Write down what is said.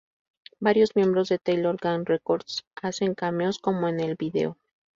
Varios miembros de Taylor Gang Records hacen cameos como en el video.